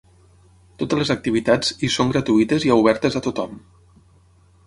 Totes les activitats hi són gratuïtes i obertes a tothom.